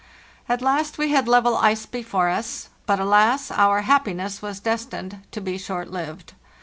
"At last we had level ice before us; but, alas! our happiness was destined to be short lived.